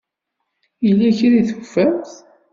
Yella kra i tufamt?